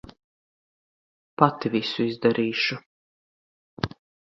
Pati visu izdarīšu.